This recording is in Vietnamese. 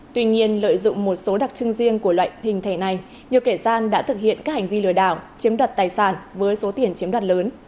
tuy nhiên lợi dụng một số đặc trưng riêng của loại hình thẻ này nhiều kẻ gian đã thực hiện các hành vi lừa đảo chiếm đoạt tài sản với số tiền chiếm đoạt lớn